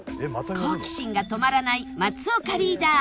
好奇心が止まらない松岡リーダー